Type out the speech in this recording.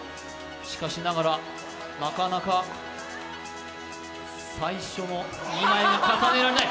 しかしながら、なかなか最初の２枚が重ねられない。